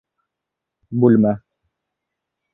Бүлмә.